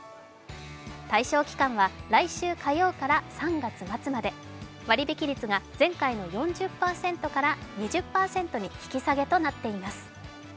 対象期間は来週火曜から３月末まで割引率が全開の４０％から２０％に引き下げとなっています。